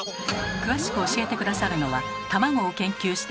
詳しく教えて下さるのはたまごを研究して